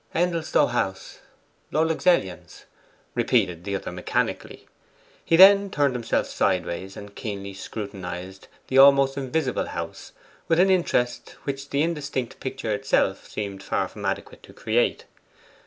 'Endelstow House, Lord Luxellian's,' repeated the other mechanically. He then turned himself sideways, and keenly scrutinized the almost invisible house with an interest which the indistinct picture itself seemed far from adequate to create.